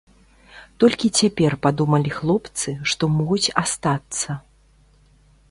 Толькі цяпер падумалі хлопцы, што могуць астацца.